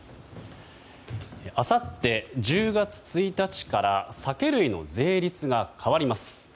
あさって１０月１日から酒類の税率が変わります。